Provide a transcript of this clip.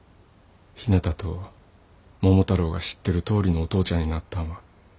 ひなたと桃太郎が知ってるとおりのお父ちゃんになったんは。